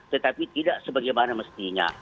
tetapi tidak sebagaimana mestinya